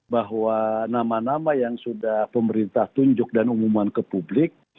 bahwa nama nama yang sudah pemerintah tunjuk dan umuman ke publik